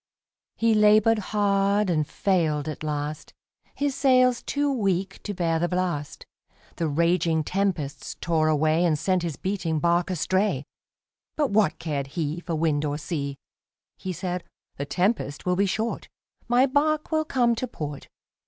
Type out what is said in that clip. He labored hard and failed at last, His sails too weak to bear the blast, The raging tempests tore away And sent his beating bark astray. But what cared he For wind or sea! He said, "The tempest will be short, My bark will come to port."